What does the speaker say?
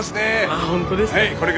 あっ本当ですか？